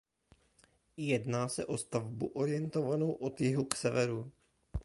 Jedná se o stavbu orientovanou od jihu k severu.